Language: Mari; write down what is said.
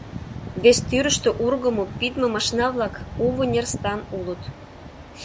Вес тӱрыштӧ ургымо, пидме машина-влак, у вынер стан улыт.